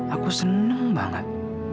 aku seneng banget